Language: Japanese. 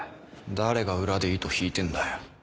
誰が裏で糸引いてんだよ。